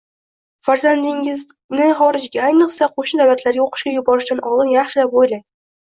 Farzandingizni xorijga, ayniqsa qoʻshni davlatlarga oʻqishga yuborishdan oldin yaxshilab oʻylang.